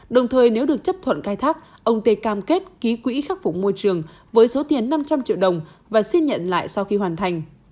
đồng thời nếu được chấp thuận khai thác ông tê cam kết ký quỹ khắc phục môi trường với số tiền năm trăm linh triệu đồng và xin nhận lại sau khi hoàn thành